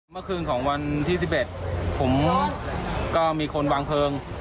เมื่อคืนของวันที่๑๑ผมก็มีคนวางเพลิง